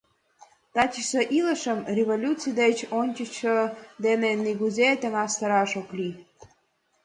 Тачысе илышым революций деч ончычсо дене нигузе таҥастараш ок лий.